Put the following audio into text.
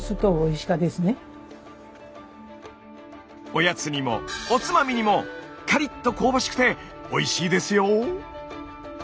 おやつにもおつまみにもカリッと香ばしくておいしいですよ。